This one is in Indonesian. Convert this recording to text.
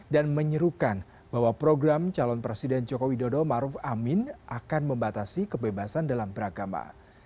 dan menyerukan bahwa program calon presiden joko widodo maruf amin akan membatasi kebebasan dalam beragama